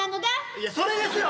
いやそれですよ。